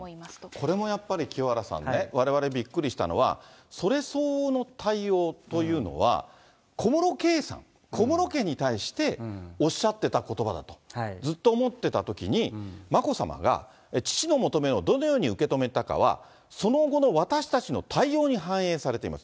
これもやっぱり、清原さんね、われわれびっくりしたのは、それ相応の対応というのは、小室圭さん、小室家に対しておっしゃってたことばだと、ずっと思ってたときに、眞子さまが、父の求めをどのように受け止めたかは、その後の私たちの対応に反映されています。